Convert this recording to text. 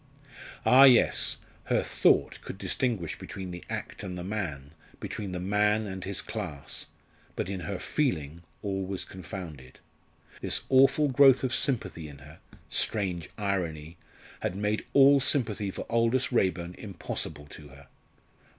Ah, yes! her thought could distinguish between the act and the man, between the man and his class; but in her feeling all was confounded. This awful growth of sympathy in her strange irony! had made all sympathy for Aldous Raeburn impossible to her.